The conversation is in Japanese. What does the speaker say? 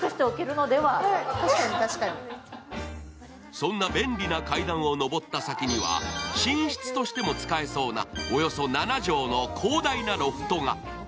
そんな便利な階段を上った先には寝室としても使えそうなおよそ７畳の広大なロフトが。